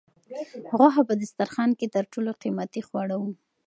غوښه په دسترخوان کې تر ټولو قیمتي خواړه وو.